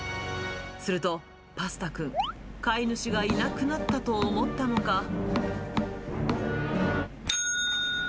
すると、パスタくん、飼い主がいなくなったと思ったのか。